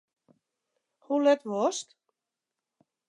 Hoe let wolst?